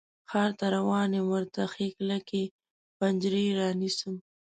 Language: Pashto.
ښار ته روان یم، ورته ښې کلکې پنجرې رانیسم